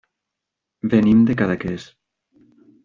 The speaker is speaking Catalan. Venim de Cadaqués.